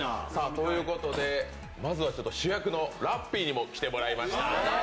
ということでまずは主役のラッピーにも来ていただきました。